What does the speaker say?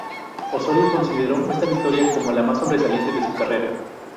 Osorio consideró esta victoria como la más sobresaliente de su carrera.